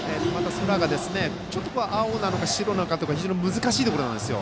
空がまた青なのか白なのか難しいところなんですよ。